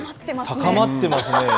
高まってますね。